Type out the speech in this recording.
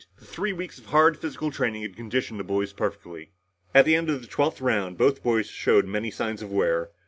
The three weeks of hard physical training had conditioned the boys perfectly. At the end of the twelfth round, both boys showed many signs of wear.